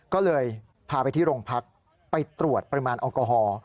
ก็เลยพาไปที่โรงพักไปตรวจปริมาณแอลกอฮอล์